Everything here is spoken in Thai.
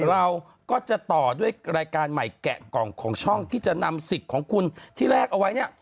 เราก็จะต่อด้วยรายการใหม่แกะกล่องของช่องที่จะนำสิทธิ์ของคุณที่แลกเอาไว้เนี่ย